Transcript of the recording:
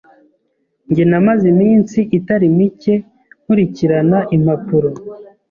Njye namaze iminsi itari mike nkurikirana impapuro.